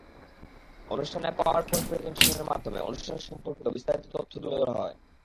অনুষ্ঠানে power point প্রেজেন্টেশনের মাধ্যমে অনুষ্ঠান সম্পর্কিত বিস্তারিত তথ্য তুলে ধরা হয়।